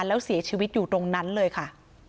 แล้วเสียชีวิตอยู่ตรงนั้นเลยค่ะ